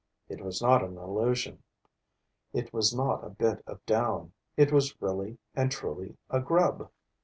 It was not an illusion, it was not a bit of down, it was really and truly a grub.